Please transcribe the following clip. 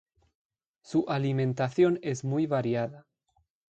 Su alimentación es muy variada.